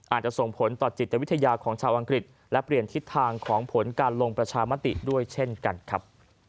อาจจะส่งผลต่อจิตวิทยาของชาวอังกฤษและเปลี่ยนทิศทางของผลการลงประชามติด้วยเช่นกันครับ